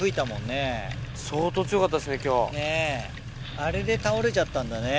あれで倒れちゃったんだね。